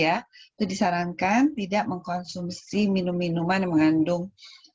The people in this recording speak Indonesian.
itu disarankan tidak mengkonsumsi minum minuman yang mengandung